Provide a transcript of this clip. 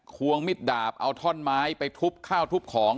วงมิดดาบเอาท่อนไม้ไปทุบข้าวทุบของ